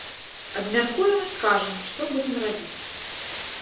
Абмяркуем і скажам, што будзем рабіць.